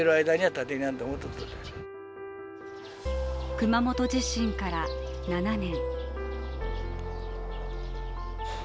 熊本地震から７年。